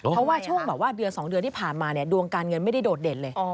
เพราะว่าช่วงเดือนสองเดือนที่ผ่านมาดวงการเงินไม่ได้โดดเด่นเลย